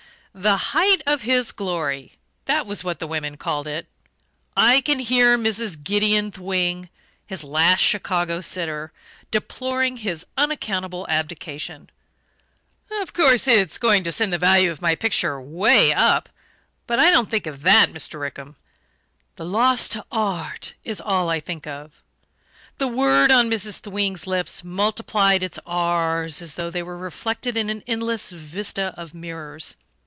"The height of his glory" that was what the women called it. I can hear Mrs. Gideon Thwing his last Chicago sitter deploring his unaccountable abdication. "Of course it's going to send the value of my picture 'way up; but I don't think of that, Mr. Rickham the loss to Arrt is all I think of." The word, on Mrs. Thwing's lips, multiplied its RS as though they were reflected in an endless vista of mirrors.